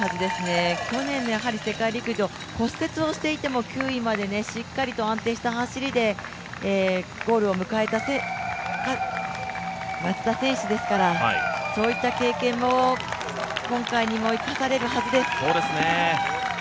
去年の世界陸上、骨折をしていても９位でしっかりと安定した走りで、ゴールを迎えた松田選手ですからそういった経験も今回にも生かされるはずです。